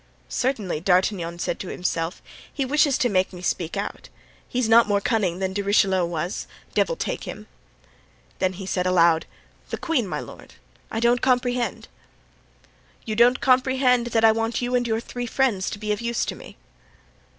"Certainly," D'Artagnan said to himself, "he wishes to make me speak out. He's not more cunning than De Richelieu was! Devil take him!" Then he said aloud: "The queen, my lord? I don't comprehend." "You don't comprehend that I want you and your three friends to be of use to me?"